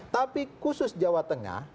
tapi khusus jawa tengah